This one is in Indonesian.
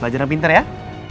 belajar yang pintar yah